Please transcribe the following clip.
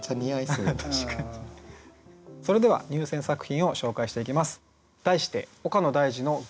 それでは入選作品を紹介していきます。